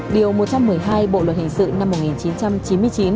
điều một trăm một mươi hai bộ luật hình sự năm một nghìn chín trăm chín mươi chín